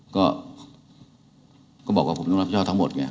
ก็ก็บอกว่าผมต้องรับช่วยทั้งหมดไง